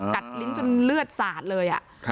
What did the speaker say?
ลิ้นจนเลือดสาดเลย